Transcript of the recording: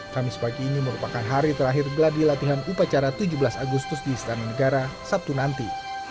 kamis pagi ini merupakan hari terakhir geladi latihan upacara tujuh belas agustus di istana negara sabtu nanti